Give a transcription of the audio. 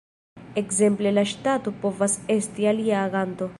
Ekzemple la ŝtato povas esti alia aganto.